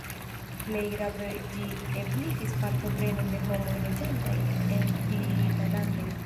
Plej grave ĝi ebligis partoprenon de homoj loĝantaj en pli da landoj.